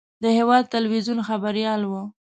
د هېواد تلویزیون خبریال و.